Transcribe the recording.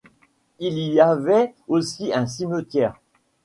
Il y avait aussi un cimetière.